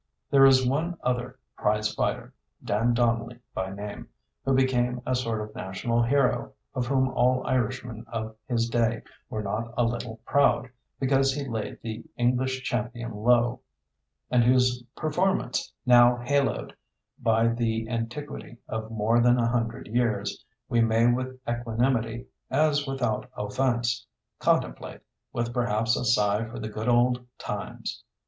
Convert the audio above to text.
There is one other prize fighter, Dan Donnelly by name, who became a sort of national hero, of whom all Irishmen of his day were not a little proud, because he laid the English champion low, and whose performance, now haloed by the antiquity of more than a hundred years, we may with equanimity, as without offense, contemplate, with perhaps a sigh for the good old times.